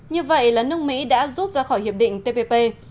như vậy là nước mỹ đã rút ra khỏi hiệp định tpp